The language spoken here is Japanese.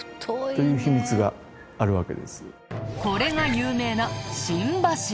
これが有名な心柱。